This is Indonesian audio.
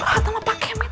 ah sama pak kemet